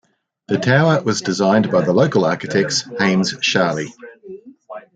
The tower was designed by the local architects Hames Sharley.